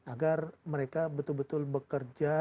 agar mereka betul betul bekerja